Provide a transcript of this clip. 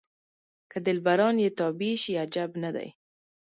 که دلبران یې تابع شي عجب نه دی.